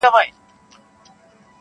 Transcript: او زیاتره ښه لګیږي -